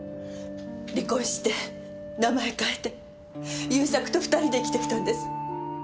離婚して名前変えて勇作と２人で生きてきたんです。